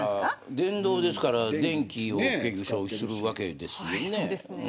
電動ですから電気を消費するわけですよね。